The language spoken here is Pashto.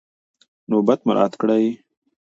نوبت مراعات کړئ.